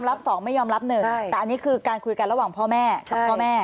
รับสองไม่ยอมรับ๑แต่อันนี้คือการคุยกันระหว่างพ่อแม่กับพ่อแม่